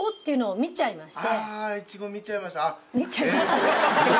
「見ちゃいました？」。